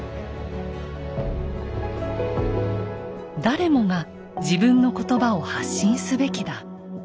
誰もが自分のことばを発信すべきだ。